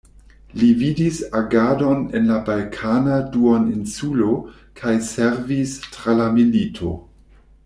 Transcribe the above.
Li vidis agadon en la Balkana duoninsulo, kaj servis tra la milito.